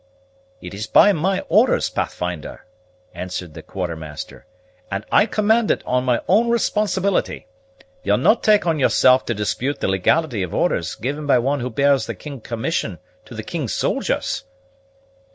"It is by my orders, Pathfinder," answered the Quartermaster, "and I command it on my own responsibility. Ye'll no' tak' on yourself to dispute the legality of orders given by one who bears the king's commission to the king's soldiers?"